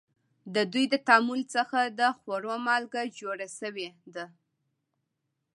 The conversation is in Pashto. د دوی د تعامل څخه د خوړو مالګه جوړه شوې ده.